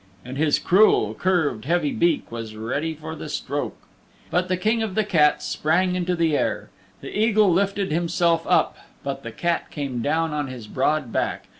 And his cruel, curved, heavy beak was ready for the stroke. But the King of the Cats sprang into the air. The Eagle lifted himself up but the Cat came down on his broad back.